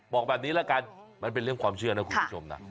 บอกแบบนี้ละกันมันเป็นเรื่องความเชื่อนะคุณผู้ชมนะ